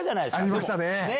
ありましたね！